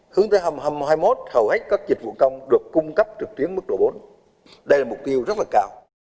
hướng tới hầm hai mươi một hầu hết các dịch vụ công được cung cấp trực tuyến mức độ bốn đây là mục tiêu rất là cao